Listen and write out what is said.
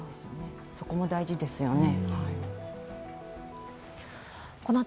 そこも大事ですよね。